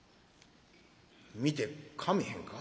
「見てかまへんか？」。